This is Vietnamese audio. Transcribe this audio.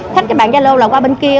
khách các bạn giao lô là qua bên kia